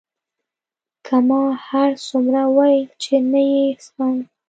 که ما هرڅومره وویل چې نه یې څښم.